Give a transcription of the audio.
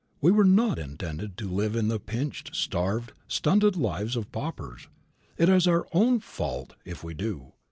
We were not intended to live the pinched, starved, stunted lives of paupers. It is our own fault if we do.